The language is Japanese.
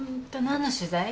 何の取材？